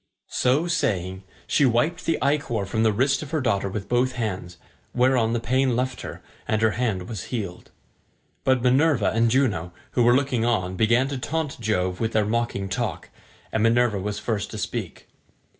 So saying, she wiped the ichor from the wrist of her daughter with both hands, whereon the pain left her, and her hand was healed. But Minerva and Juno, who were looking on, began to taunt Jove with their mocking talk, and Minerva was first to speak.